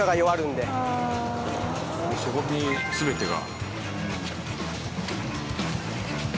そこに全てが。